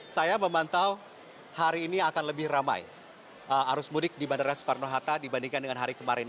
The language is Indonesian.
saya memantau hari ini akan lebih ramai arus mudik di bandara soekarno hatta dibandingkan dengan hari kemarin